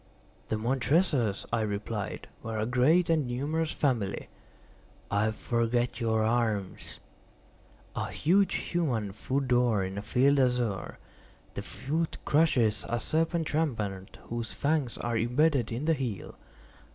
"The Montresors," I replied, "were a great and numerous family." "I forget your arms." "A huge human foot d'or, in a field azure; the foot crushes a serpent rampant whose fangs are imbedded in the heel."